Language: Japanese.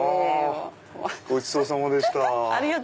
ごちそうさまでした。